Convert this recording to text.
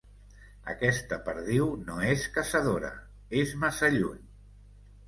Aquesta perdiu no és caçadora: és massa lluny.